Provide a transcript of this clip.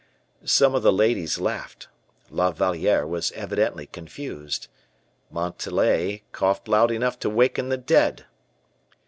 Some of the ladies laughed; La Valliere was evidently confused; Montalais coughed loud enough to waken the dead.